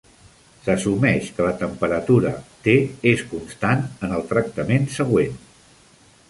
S'assumeix que la temperatura, "T", és constant en el tractament següent.